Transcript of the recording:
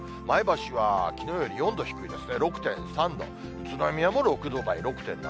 前橋はきのうより４度低いですね、６．３度、宇都宮も６度台、６．７度。